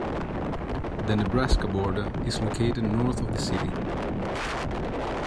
The Nebraska border is located north of the city.